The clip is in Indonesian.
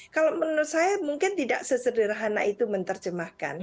kalau menurut saya mungkin tidak sesederhana itu menerjemahkan